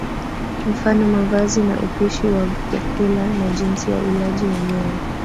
Mfano mavazi na upishi wa vyakula na jinsi ya ulaji wenyewe